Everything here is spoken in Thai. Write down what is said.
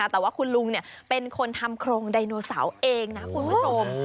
แต่ว่าคุณลุงเป็นคนทำโครงไดโนเสาร์เองนะคุณผู้ชม